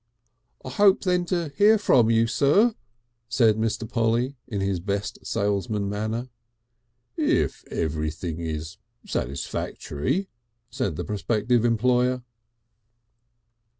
"I hope then to hear from you, sir," said Mr. Polly in his best salesman manner. "If everything is satisfactory," said the prospective employer.